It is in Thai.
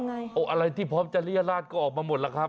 อะไรที่พร้อมจะเรียราชก็ออกมาหมดล่ะครับ